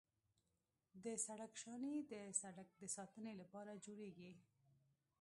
د سړک شانې د سړک د ساتنې لپاره جوړیږي